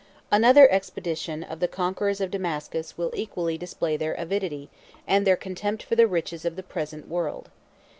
Another expedition of the conquerors of Damascus will equally display their avidity and their contempt for the riches of the present world.